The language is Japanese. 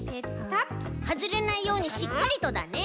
はずれないようにしっかりとだね。